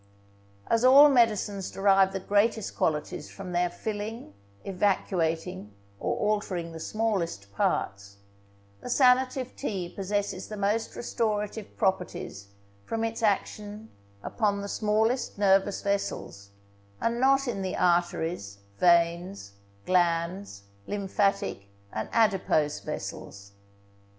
As all medicines derive the greatest qualities from their filling, evacuating, or altering the smallest parts, the sanative tea possesses the most restorative properties from its action upon the smallest nervous vessels, and not in the arteries, veins, glands, lymphatic and adipose vessels.